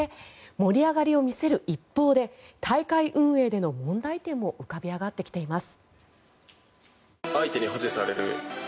盛り上がりを見せる一方で大会運営での問題点も浮かび上がってきています。